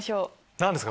何ですか？